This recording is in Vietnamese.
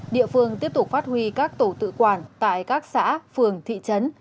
địa phương tiếp tục phát huy các tổ tự quản tại các xã phường thị trấn